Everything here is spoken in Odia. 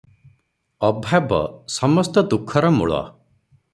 ଅଭାବ ସମସ୍ତ ଦୁଃଖର ମୂଳ ।